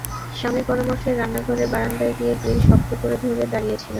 স্বামীর পরামর্শে রান্না ঘরের বারান্দায় গিয়ে গ্রিল শক্ত করে ধরে দাঁড়িয়ে ছিলাম।